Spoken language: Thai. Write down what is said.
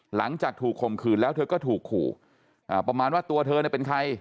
หลังจากถูกข่มขืนแล้วเธอก็ถูกขู่ประมาณว่าตัวเธอเนี่ยเป็นใคร